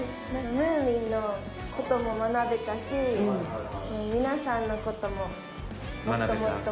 ムーミンの事も学べたし皆さんの事ももっともっと学べました。